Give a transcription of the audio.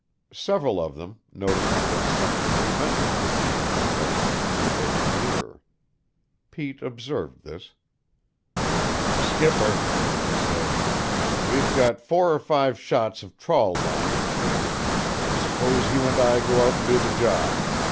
Several of them, noticing that something momentous was being discussed, were edging nearer. Pete observed this. "Skipper," he said, "we've got four or five shots of trawl line to pick. Suppose you and I go out an' do the job?